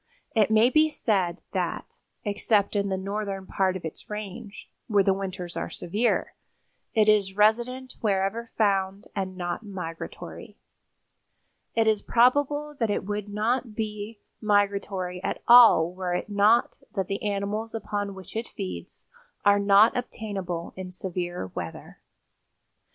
It may be said that, except in the northern part of its range, where the winters are severe, it is resident wherever found and not migratory. It is probable that it would not be migratory at all were it not that the animals upon which it feeds are not obtainable in severe weather.